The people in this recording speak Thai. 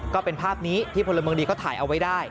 ก็เป็นภาพนี้ที่พลเมืองดีเขาถ่ายเอาไว้ได้